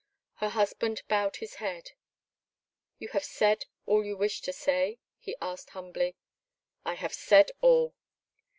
Her husband bowed his head. "You have said all you wished to say?" he asked humbly. "I have said all."